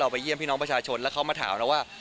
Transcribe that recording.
ไปเยี่ยมพี่น้องประชาชนแล้วเขามาถามเราว่า